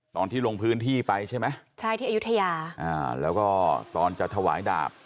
ตอนที่ลงพื้นที่ไปใช่ไหมใช่ที่อายุทยาอ่าแล้วก็ตอนจะถวายดาบ